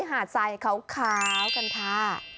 หาดทรายขาวกันค่ะ